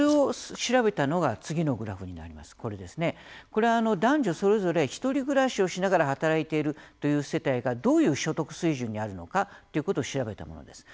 これは、それぞれ１人暮らしをしながら働いているという世帯がどういう所得水準にあるのかということを調べたものです。